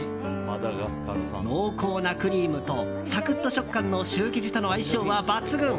濃厚なクリームとサクッと食感のシュー生地との相性は抜群。